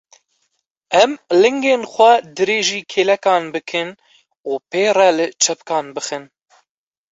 Em lingên xwe dirêjî kêlekan bikin û pê re li çepikan bixin.